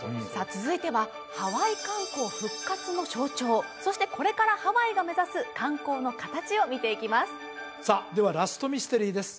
続いてはハワイ観光復活の象徴そしてこれからハワイが目指す観光の形を見ていきますさあではラストミステリーです